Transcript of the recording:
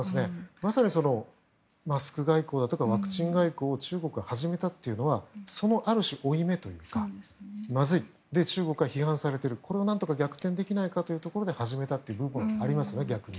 まさにマスク外交だとかワクチン外交を中国が始めたというのはある種、負い目というか中国が批判されているのを何とか逆転できないというところで始めた部分はありますね。